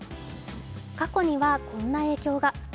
過去には、こんな影響が。